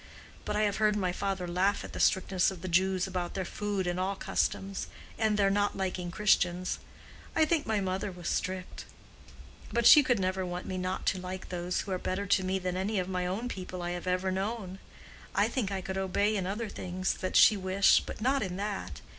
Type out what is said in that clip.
But I have heard my father laugh at the strictness of the Jews about their food and all customs, and their not liking Christians. I think my mother was strict; but she could never want me not to like those who are better to me than any of my own people I have ever known. I think I could obey in other things that she wished but not in that.